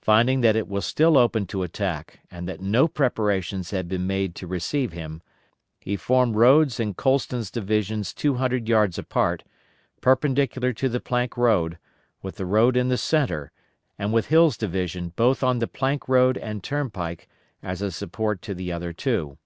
Finding that it was still open to attack, and that no preparations had been made to receive him, he formed Rodes' and Colston's divisions two hundred yards apart, perpendicular to the plank road, with the road in the centre, and with Hill's division both on the plank road and turnpike as a support to the other two.